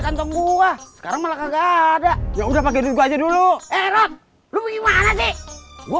kantong buah sekarang malah enggak ada yang udah pakai dulu eh rod lu gimana sih gua